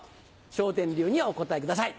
笑点流にお答えください。